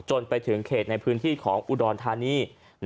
ไปถึงเขตในพื้นที่ของอุดรธานี